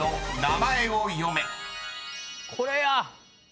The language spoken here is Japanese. これや。